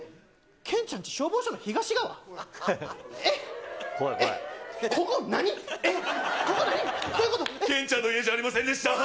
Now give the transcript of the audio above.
けんちゃんの家じゃありませんでした。